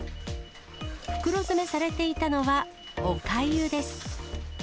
袋詰めされていたのは、おかゆです。